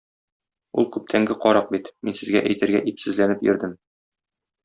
Ул күптәнге карак бит, мин сезгә әйтергә ипсезләнеп йөрдем.